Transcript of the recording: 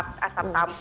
itu rasanya sekarang